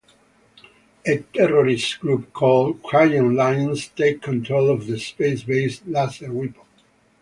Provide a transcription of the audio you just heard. A terrorist group called "Crying Lions" takes control of a space-based laser weapon.